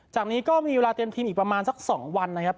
จากนี้ก็มีเวลาเตรียมทีมอีกประมาณสัก๒วันนะครับ